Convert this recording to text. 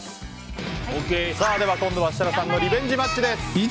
では、今度は設楽さんのリベンジマッチです。